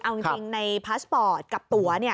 เอาจริงในพาสปอร์ตกับตัว